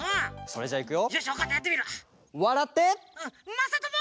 「まさとも！」。